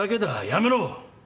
やめろ！